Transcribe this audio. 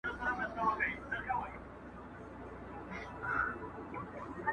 د بشريت له روحه وباسه ته.